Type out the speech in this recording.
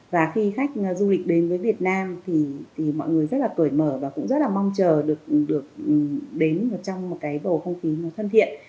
và khi khách du lịch đến với việt nam thì mọi người rất là cởi mở và cũng rất là mong chờ được đến trong một cái bầu không khí thân thiện